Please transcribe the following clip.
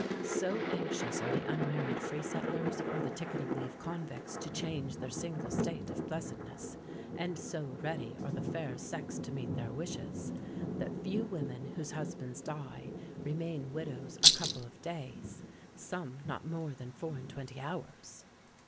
So anxious are the unmarried free settlers or the ticket of leave convicts to change their single state of blessedness, and so ready are the fair sex to meet their wishes, that few women whose husbands die remain widows a couple of days; some not more than four and twenty hours.